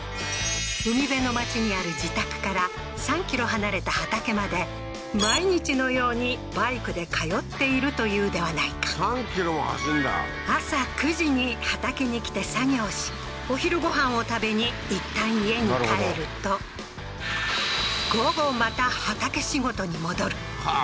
海辺の町にある自宅から３ｋｍ離れた畑まで毎日のようにバイクで通っているというではないか３ｋｍも走んだ朝９時に畑に来て作業しお昼ご飯を食べに一旦家に帰ると午後また畑仕事に戻るはあ